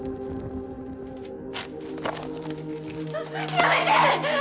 やめて！